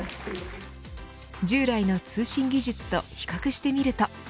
従来の通信技術と比較してみると。